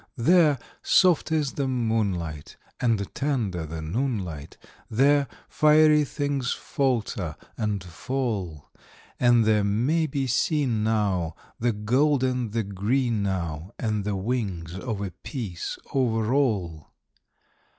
There soft is the moonlight, and tender the noon light; There fiery things falter and fall; And there may be seen, now, the gold and the green, now, And the wings of a peace over all.